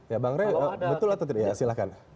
ya bang rey betul atau tidak